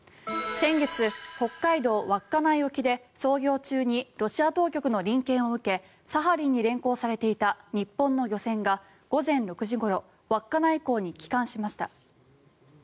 先月、北海道稚内沖で操業中にロシア当局の臨検を受けサハリンに連行されていた日本の漁船が午前６時ごろ稚内港に帰還しました。